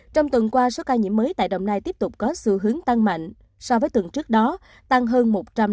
trong tuần qua số ca nhiễm mới tại đồng nai tiếp tục có sự hướng tăng mạnh so với tuần trước đó tăng hơn một trăm năm mươi sáu